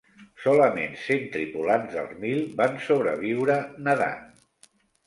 Solament cent tripulants dels mil van sobreviure, nedant.